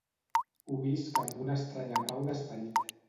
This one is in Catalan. Ho visc amb una estranya pau d'esperit.